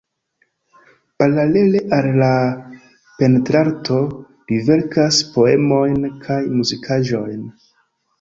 Paralele al la pentrarto li verkas poemojn kaj muzikaĵojn.